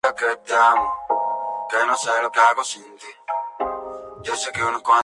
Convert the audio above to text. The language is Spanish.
Su eslogan es "El Universal, lo que necesita saber".